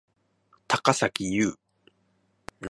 高咲侑